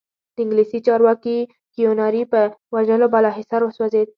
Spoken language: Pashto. د انګلیسي چارواکي کیوناري په وژلو بالاحصار وسوځېد.